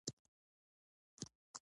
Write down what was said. د موبایل سکرین مې دوړه نیولې وه.